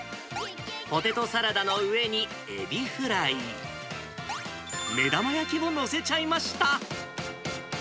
ポテトサラダの上にエビフライ、目玉焼きも載せちゃいました。